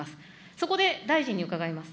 そこで大臣に伺います。